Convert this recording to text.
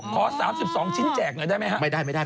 ขอ๓๒ชิ้นแจกหน่อยได้ไหมครับ